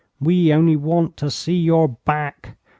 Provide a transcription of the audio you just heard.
We only want to see your back.